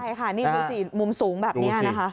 ใช่ค่ะนี่ดูสิมุมสูงแบบนี้นะคะ